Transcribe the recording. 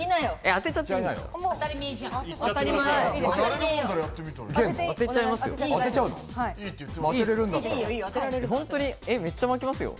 当てちゃいますよ。